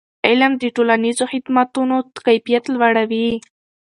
علم د ټولنیزو خدمتونو کیفیت لوړوي.